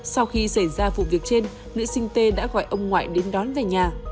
sau khi xảy ra vụ việc trên nữ sinh tê đã gọi ông ngoại đến đón về nhà